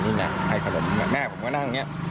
นี่ไงให้ขนมแม่ผมก็นั่งอย่างนี้